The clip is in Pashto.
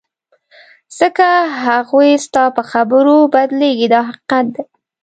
ځکه هغوی ستا په خبرو بدلیږي دا حقیقت دی.